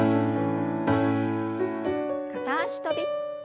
片脚跳び。